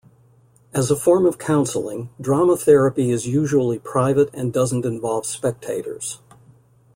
As a form of counseling drama therapy is usually private and doesn't involve spectators.